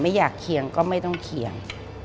อยากเคียงก็ไม่ต้องเคียง